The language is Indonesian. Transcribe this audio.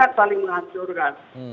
tapi kita saling menghancurkan